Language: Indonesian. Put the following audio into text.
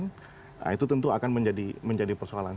nah itu tentu akan menjadi persoalan